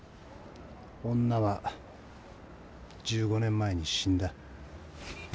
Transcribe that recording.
女は１５年前に死んだ。